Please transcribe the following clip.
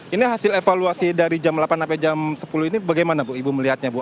ini hasil evaluasi dari jam delapan sampai jam sepuluh ini bagaimana bu ibu melihatnya bu